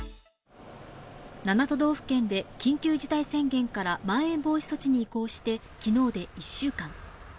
７都道府県で緊急事態宣言からまん延防止措置に移行して、きのうで１週間。